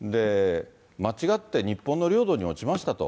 間違って日本の領土に落ちましたと。